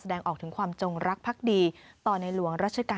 แสดงออกถึงความจงรักษ์ภัคดีต่อในหลวงรัชกาลที่๙จาก